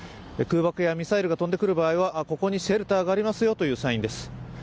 空爆やミサイルが飛んでくる場合はここにシェルターがありますよというサインです。